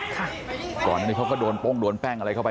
ก่อนอันนี้เขาก็โดนโป้งโดนแป้งอะไรเข้าไป